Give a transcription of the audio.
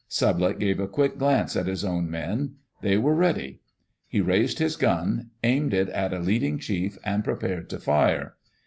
Sublette gave a quick glance at his own men. They were ready. He raised his gun, aimed it at a leading chief, and prepared to fire.